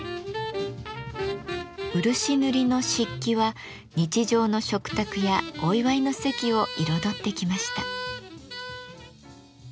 漆塗りの漆器は日常の食卓やお祝いの席を彩ってきました。